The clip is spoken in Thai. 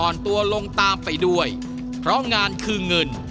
ตัวลงตามไปด้วยเพราะงานคือเงิน